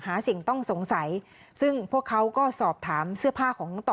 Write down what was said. สิ่งต้องสงสัยซึ่งพวกเขาก็สอบถามเสื้อผ้าของน้องต่อ